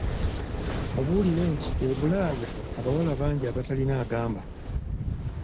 Mubuulire nti e Bulaya abawala bangi abatalina agamba.